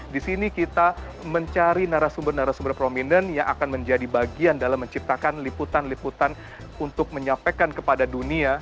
di sini kita mencari narasumber narasumber prominent yang akan menjadi bagian dalam menciptakan liputan liputan untuk menyampaikan kepada dunia